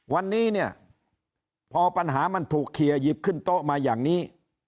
วันนี้เนี่ยพอปัญหามันถูกเคลียร์หยิบขึ้นโต๊ะมาอย่างนี้